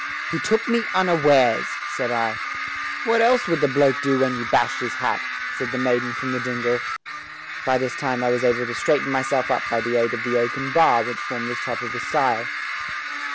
"He took me unawares," said I. "What else would the bloke do when you bashed his hat?" said the maiden from the dingle. By this time I was able to straighten myself up by the aid of the oaken bar which formed the top of the stile.